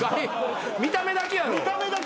見た目だけやろ。